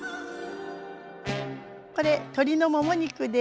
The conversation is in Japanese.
これ鶏のもも肉です。